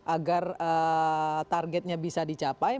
agar targetnya bisa dicapai